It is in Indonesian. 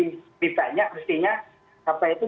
lebih banyak mestinya apa itu